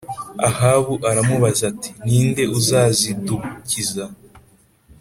Ahabu aramubaza ati “Ni nde uzazidukiza?”